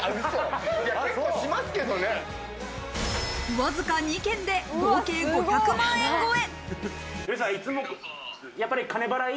わずか２軒で合計５００万円超え。